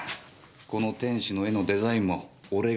この天使の絵のデザインも俺が選んだ。